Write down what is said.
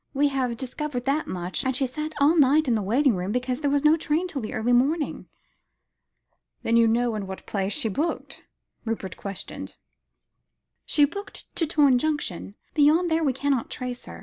We have discovered that much, and she sat all night in the waiting room, because there was no train till the early morning." "Then you know to what place she booked?" Rupert questioned. "She booked to Torne Junction; beyond there we cannot trace her.